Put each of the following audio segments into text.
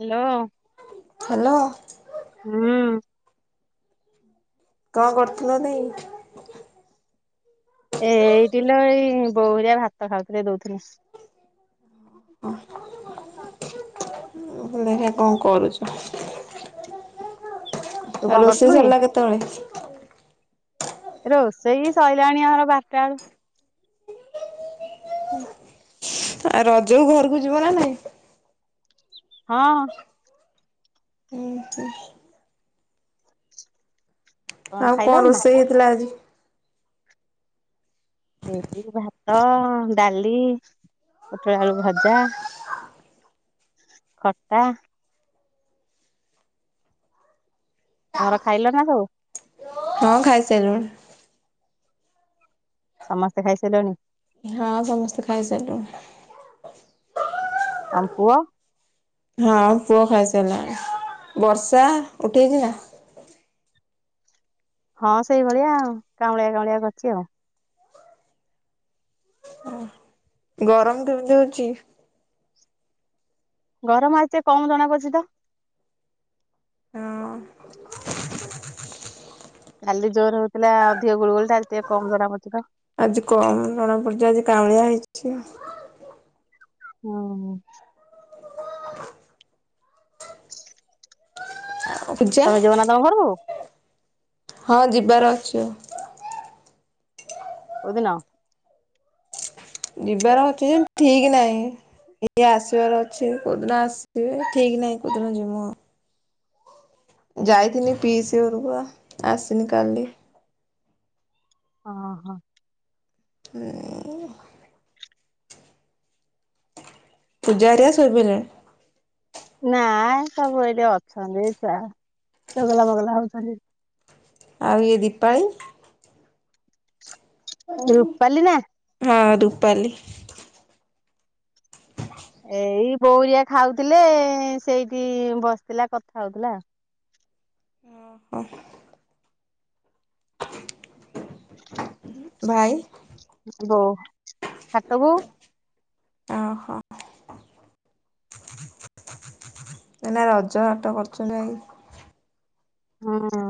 Hello. Hello ହୁଁ। କଣ କରୁଥିଲ ଦେଈ? ଏଇଟି ଲୋ ଏଇ ବୋଉ ହେରିଆ ଭାତ ଖାଉଥିଲେ ଦଉଥିଲି। ଦେଖିଆ କଣ କରୁଚି। ତୁ ଆଉ କଣ ରୋଷେଇ କରୁଥିଲୁ କି? ସରିଲା କେତବଳେ? ରୋଷେଇ ସଇଲାଣି ଆମର ବାରଟା ବେଳୁ। ଆ ରଜକୁ ଘରକୁ ଯିବ ନା ନାଇଁ? ହଁ। ହୁଁ-ହୁଁ। ତମର ଆଉ କଣ ଖାଇଲଣି ନା? ରୋଷେଇ ହେଇଥିଲା ଆଜି? ଏ ଭାତ, ଡାଲି, ପୋଟଳ ଆଳୁ ଭଜା ଖଟା। ତମର ଖାଇଲ ନା ସବୁ? ହଁ ଖାଇସାରିଲୁଣି। ସମସ୍ତେ ଖାଇସାରିଲଣି? ହଁ ସମସ୍ତେ ଖାଇସାରିଲୁଣି। ତମ ପୁଅ? ହଁ ପୁଅ ଖାଇସାରିଲାଣି, ବର୍ଷା ଉଠେଇଚି ନା? ହଁ ସେଇଭଳିଆ ଆଉ କାଉଁଳିଆ କାଉଁଳିଆ କରିଚି ଆଉ। ଗରମ୍ କେମିତି ହଉଚି? ଗରମ୍ ଆଜି ଟିକେ କମ୍ ଜଣା ପଡୁଚି ତ। ହଁ। କାଲି ଜୋରେ ହଉଥିଲା ଅଧିକ ଗୁଳୁଗୁଳି ଟା ଆଜି ଟିକେ କମ୍ ଜଣା ପଡୁଛି ତ। ଆଜି କମ୍ ଜଣାପଡୁଚି ଆଜି କଉଁଳିଆ ହେଇଚି ଟିକେ। ହୁଁ। ପୂଜା ତମେ ଯିବ ନା ତମ ଘରକୁ? ହଁ ଯିବାର ଅଛି ଆଉ। କୋଉଦିନ? ଯିବାର ଅଛି [unintelligible] ଠିକ୍ ନାହିଁ। ଇଏ ଆସିବାର ଅଛି କୋଉଦିନ ଆସିବେ ଠିକ୍ ନାହିଁ କୋଉଦିନ ଯିମୁ ଆଉ। ହଁ ଯାଇଥିନି ପିଇସି ଘରକୁଆ ଆସିନି କାଲି। ହଁ-ହଁ। ହୁଁ। ପୂଜା ହେରିଆ ଶୋଇ ପଇଲେଣି? ନାଇଁ ସବୁ ଏଇଠି ଅଛନ୍ତି ଛୁଆ ଚଗଲା ବଗଲା ହଉଚନ୍ତି। ଆଉ ଇଏ ଦୀପାଳି? ରୂପାଲି ନା। ହଁ ରୂପାଲି। ଏଇ ବଉରିଆ ଖାଉଥିଲେ ସେଇଠି ବସିଥିଲା କଥା ହଉଥିଲା। ଓହୋ। ଭାଇ? [unintelligible] ହାଟକୁ ଓହୋ। ଏଇନା ରଜ ହାଟ କରୁଛ ଯାଇ [unintelligible]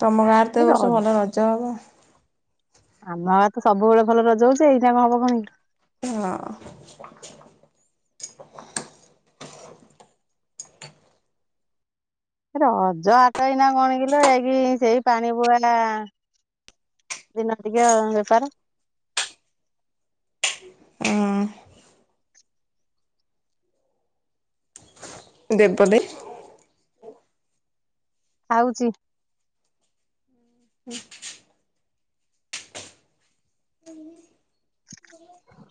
ତମ ଗାଁରେ ତ ଏ ବର୍ଷ ଭଲ ରଜ ହେବ। ଆମ ଗାଁ ରେ ତ ସବୁବେଳେ ଭଲ ରଜ ହଉଛି ଏଇଟା କଣ ହବ କଣ? ହଁ ରଜ ହାଟ ଏଇନା କଣ କିଲ ଏଇକି ସେଇ ପାଣି ବୁହେ ନା ଦିନ ଟିକେ ବେପାର। ହଁ କିନ୍ତୁ ଏପଟେ ହଉଛି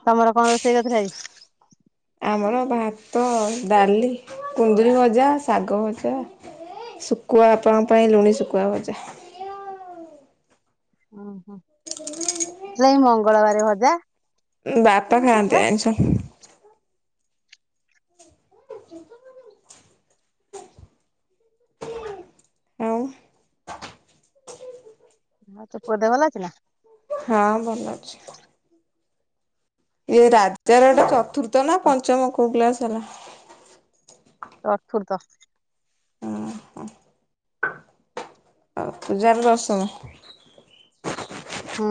ତମର କଣ ରୋଷେଇ କରିଥିଲ ଆଜି? ଆମର ଭାତ ହଉ ଡାଲି କୁନ୍ଦୁରୁ ଭଜା ଶାଗ ଭଜା। ସୁକୁୁଆ ଆପଣଙ୍କ ପାଇଁ ଲୁଣ ସୁକୁୁଆ ଭଜା ଓହ ଯୋଉ ମଙ୍ଗଳବାର ଭଜା ବାପା ଖାଆନ୍ତି ଶୁଖୁଆ ଆଇଁଷ। ଆଉ ହଁ ତୋ ଦେହ ଭଲ ଅଛି ନା? ହଁ ଭଲ ଅଛି। ଏଇ ରାଜାର ଗୋଟେ ଚତୁର୍ଥ ନା ପଞ୍ଚମ କ୍ଲାସ ହେଲା। ଚତୁର୍ଥ ହଁ। ଚତୁର୍ଥ କ୍ଲାସ୍ ହେଲା। ହୁଁ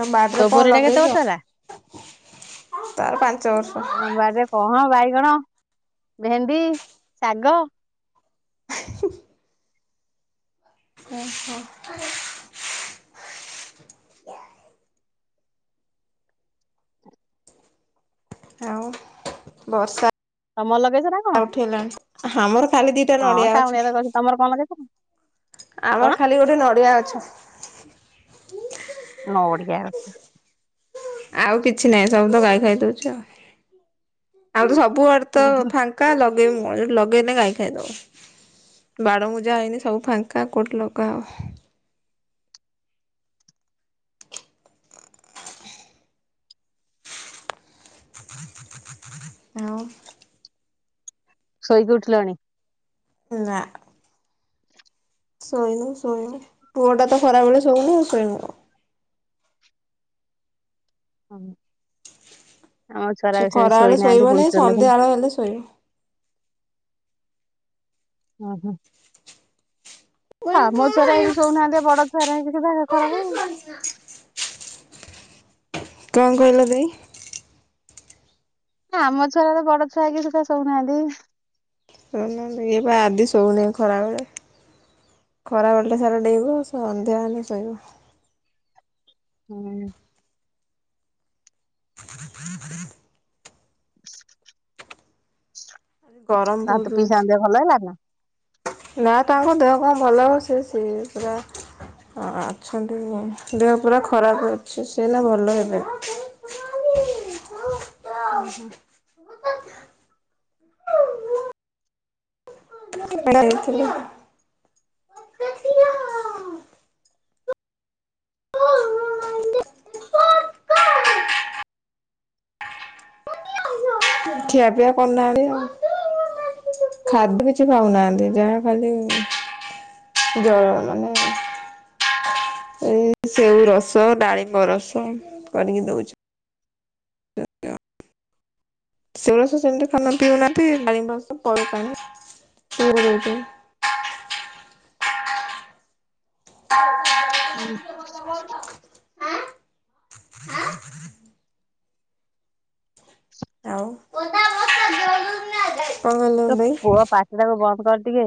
ତ ତୋ ବାଡ଼ି କଣ ପରିଟା କେତେ ବର୍ଷ ଲଗେଇଛ? ହେଲା? ତାର ପାଞ୍ଚ ବର୍ଷ। ଆ ବାଡରେ କହ ବାଇଗଣ, ଭେଣ୍ଡି, ଶାଗ ଉଁ ହୁଁ ଆଉ ବର୍ଷା ତମର ଲଗେଇଛ ନା କଣ? ଣି ଆମର ଖାଲି ଦିଟା ହଁ ନଡ଼ିଆ ଗଛ କାଉଁଳିଆ ତ ତମର କଣ ଲଗେଇଛ? ଆମର ଖାଲି ନଡ଼ିଆ ଅଛ। ନଡ଼ିଆ ଅଛ ଆଉ କିଛି ନାହିଁ ସବୁ ତ ଗାଈ ଖାଇ ଦଉଛି। ଆଉ ଆଉ ତ ସବୁଆଡେ ତ ଉଁ ହୁଁ ଫାଙ୍କା ଙ୍କା ଲଗେଇବ କଣ ଲଗେଇଲେ ଗାଈ ଖାଇଦବ। ବାଡ଼ ମୂଜା ହେଇନି ସବୁ ଫାଙ୍କା କୋଉଠି ଲଗା ହବ। ହ୍ୟାଲୋ ଶୋଇକି ଉଠିଲଣି? ନା ଶୋଇନୁ ଶୋଇନୁ ପୁଅ ଟା ତ ଖରାବେେଳେ ଶଉନି ଆଉ ଶୋଇନୁ କଣ? ହ ଆମ ଛୁଆ ବି ସେ ଖରାବେଳେ ଶୋଇନାହାନ୍ତି ଶୋଇବନି ବୁଲୁଛନ୍ତି ଖାଲି। ସନ୍ଧ୍ୟାବେଳ ହେଲେ ଶୋଇବା ଓହୋ ହଁ ମୋ ଛୁଆରେ ଏ ବି ଶଉନାହାନ୍ତି ବଡ ସରେ ହେ କିଛି ବାେ ଖରା କଣ କହିଲ ଦେଇ। ଆମ ଛୁଆ ତ ବଡ ଛୁଆ କି ସେଟା ଶଉନାହାନ୍ତି। ହୁଁ ଇଏ ବା ଆଦି ଶୋଉନି ଖରାବେଳେ। ଖରାବେେଳେେ ସାରା ଡେଇଁବ ସନ୍ଧ୍ୟା ହେଲେ ଶୋଇବ। ହୁଁ [unintelligible] ଗରମ [inaudible] ଆଉ ବହୁତ ତୋ ହଉଛି। ପିଇସାଙ୍କ ଦେହ ଭଲ ହେଲାଣି। ନା ତାଙ୍କ ଦେହ କଣ ଭଲ ସେ ସେହି ପୁରା ଅଛନ୍ତି ଦେହ ପୁରା ଖରାପ ଅଛି। ସେ ଏନା ଭଲ ହେବେ। ଓ ହ। ହ [unintelligible] ଖିଆପିଆ କରୁନାହାନ୍ତି ଆଉ ଖାଦ୍ୟ କିଛି ଉଁ ହୁଁ। ଖାଉନାହାନ୍ତି ଯାହା ଖାଲି ଜର ମାନେ ଏ ସେଉ ରସ ଡାଳିମ୍ବ ରସ କରିକି ଦଉଚୁ ସେଉରସ ସେମିତି ଖାଉନା ପିଉନାହାନ୍ତି ଡାଳିମ୍ବ ରସ ପରଡ଼ ପାଣି [unintelligible] ହୁଁ। ଆଉ କଣ କହିଲ ଦେଇ? ସେ ତାକୁ ବନ୍ଦ କର ଟିକେ।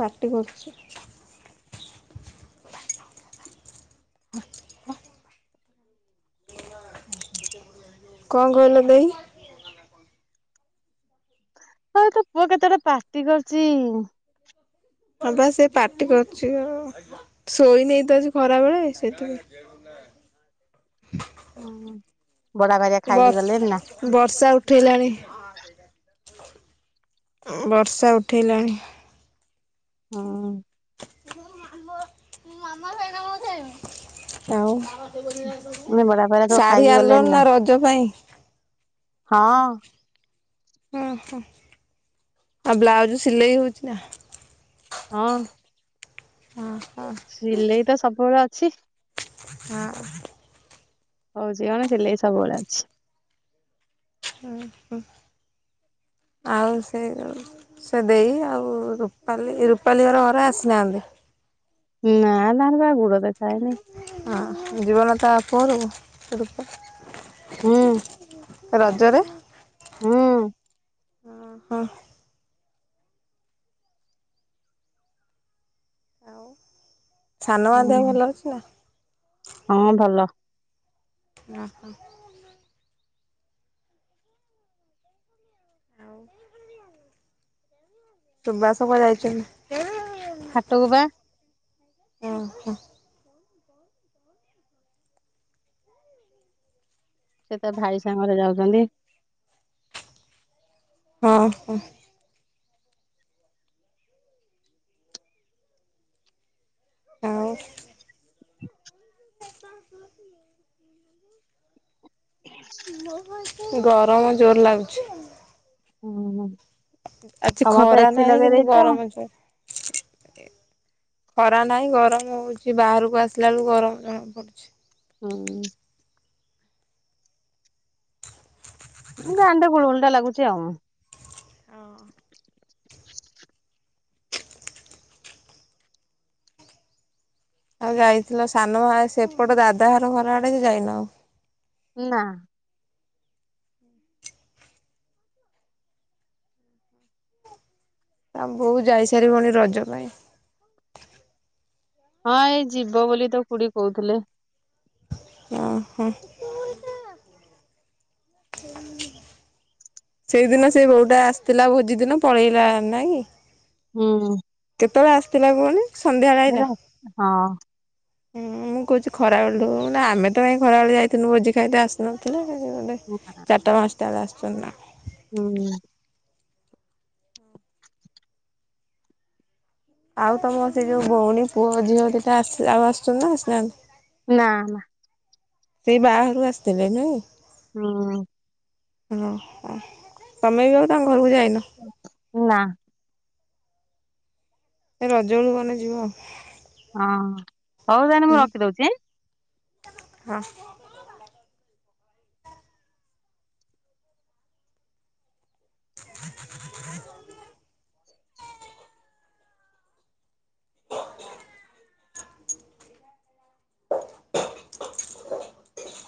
ପାଟି କରୁଚି କଣ କହିଲ ଦେଇ? ହଁ ତୋ ପୁଅ କେତେ ବଡ଼ ପାଟି କରୁଚି। ହଁ ପା ସେ ପାଟି କରୁଚି ଶୋଇ ନେଇତ ଆଜି ଖରାବେଳେ ସେଇଥିପାଇଁ। ହଁ ବରା ଗଜା ଖାଇକି ବର୍ ଗଲେଣି ନା? ବର୍ଷା ଉଠେଇଲାଣି ବର୍ଷା ଉଠେଇଲାଣି। ହଁ। ମୋ ମାମା ମୋ ମାମା ସହିତ ମୁଁ ଖେଳିବି। ଆଉ ମାନେ ବଡା ପାରା ତ ଶାଢୀ ଖାଇକି ଗଲେଣି ଆଣିଲନି ନା ରଜ ପାଇଁ? ହଁ। ଓହୋ ଆଉ ବ୍ଲାଉଜ ସିଲେଇ ହଉଚି ନା? ହଁ। ଅ ହୋ। ସିଲେଇ ତ ସବୁବେଳେ ଅଛି। ହଁ। ହଉଚି ମାନେ ସିଲେଇ ସବୁବେଳେ ଅଛି। ହୁଁ ହୁଁ ଆଉ ସେଇଯୋଉ ସେ ଦେଇ ଆଉ ରୁପାଲି ରୁପାଲି ହର ଘର ଆସିନାହାନ୍ତି। ନା ନା ହେରା ବା ଗୁଡ ଦେଖାହେଇନି। ହଁ ଯିବନା ତା ବାପ ଘରକୁ ରୂପା? ହୁଁ ରଜରେ ହୁଁ। ଉଁ ହୁଁ। ସାନ ମା ହୁଁ ଦେହ ଭଲ ଅଛି ନା? ହଁ ଭଲ। ଅ ହ। ଆଉ ସୁୁବାସ କୁଆଡେ ଯାଇଚନ୍ତି? ହାଟକୁ ପା। ଓ ହୋ। ସେ ତା ଭାଇ ସାଙ୍ଗରେ ଯାଉଚନ୍ତି। ଅ ହ। ଆଉ ଗରମ ଜୋରେ ଲାଗୁଚି। ହୁଁ ହୁଁ। ଆଜି ଖରା ନାହିଁ କିନ୍ତୁ ଦେଇଛ। ଗରମ ଜୋରେ। ଖରା ନାହିଁ ଗରମ ହଉଛି ବାହାରକୁ ଆସିଲା ବେଳକୁ ଗରମ ଜଣା ପଡୁଚି। ହଁ। ଗାଣ୍ଡ ଗୁଳଗୁଳିଟା ଲାଗୁଚି ଆଉ। ଆଉ ଯାଇଥିଲ ସାନ ମା ସେପଟ ଦାଦା ଘର ଘର ଆଡେ ଯାଇନ? ନା। ତାଙ୍କ ବୋଉ ଯାଇ ସାରିବଣି ରଜ ପାଇଁ। ହଁ ଏଇ ଯିବ ବୋଲି ତ କୁଡି କହୁଥିଲେ। ଓ ହ। ସେଇଦିନ ସେ ବୋଉଟା ଆସିଥିଲା ଭୋଜି ଦିନ ପଳେଇଲା ନାଇ କି। ହୁଁ। କେତେବେଳେ ଆସିଥିଲା କୁହନି ସନ୍ଧ୍ୟାଳେ ହେଲା ଆଇଲା? ହଁ। ହୁ ମୁଁ କହୁଛି ଖରାବେଳଠୁ ନା ଆମେ ତ କାଇଁ ଖରାବେଳେ ଯାଇଥିଲୁ ଭୋଜି ଖାଇତ ଆସ ନଥିଲା ବୋଧେ ଚାରିଟା ପାଞ୍ଚଟା ବେଳେ ଆସଛନ୍ତି ନା। ହୁଁ। ଆଉ ତମ ସେଇ ଯୋଉ ଭଉଣୀ ପୁଅ ଝିଅ ଦିଟା ଆଉ ଆସୁଛନ୍ତି ନାସିନାନ୍ତି? ନା ନା। ସେଇ ବାହାରୁ କୁ ଆସିଥିଲେ ନୁହେଁ କି? ହଁ। ହଁ ହ ତମେ ବି ଆଉ ତାଙ୍କ ଘରକୁ ଯାଇନ? ନା। ଏ ରଜ ବଳୁ ଗନେ ଯିବ। ହଁ ହଉ ତାନେ ହୁଁ ମୁଁ ରଖିଦଉଛି। ହଁ। [inaudible] [inaudible] [inaudible]